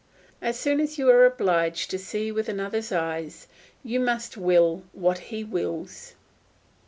As soon as you are obliged to see with another's eyes you must will what he wills.